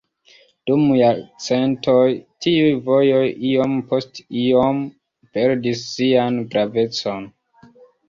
Dum jarcentoj tiuj vojoj iom post iom perdis sian gravecon.